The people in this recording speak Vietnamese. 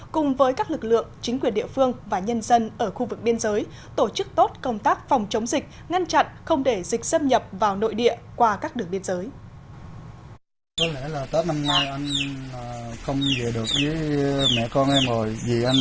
cùng với các lực lượng chính quyền địa phương và nhân dân ở khu vực biên giới tổ chức tốt công tác phòng chống dịch ngăn chặn không để dịch xâm nhập vào nội địa qua các đường biên giới